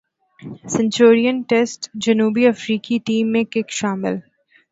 Centurion test جنوبی افریقی team میں کک شامل